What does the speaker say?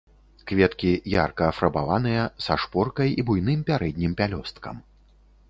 Кветкі ярка афарбаваныя, са шпоркай і буйным пярэднім пялёсткам.